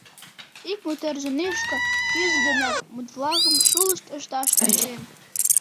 Ик мутерзе нӱшкӧ кӱзӧ денак мут-влакым шулышт ышташ тӧчен.